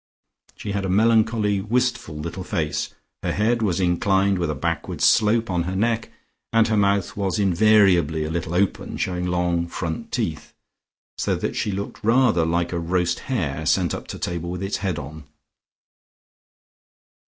She had a melancholy wistful little face: her head was inclined with a backward slope on her neck, and her mouth was invariably a little open shewing long front teeth, so that she looked rather like a roast hare sent up to table with its head on.